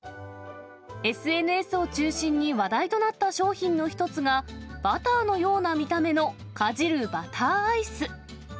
ＳＮＳを中心に話題となった商品の一つが、バターのような見た目の、かじるバターアイス。